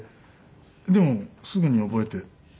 でもすぐに覚えて。